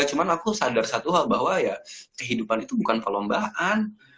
cuma aku sadar satu hal bahwa ya kehidupan itu bukan perlombaan